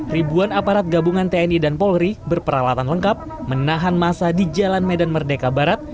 ribuan aparat gabungan tni dan polri berperalatan lengkap menahan masa di jalan medan merdeka barat